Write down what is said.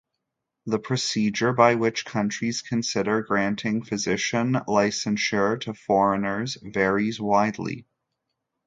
The procedure by which countries consider granting physician licensure to foreigners varies widely.